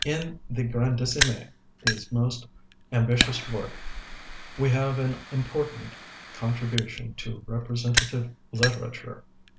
In 'The Grandissimes,' his most ambitious work, we have an important contribution to representative literature.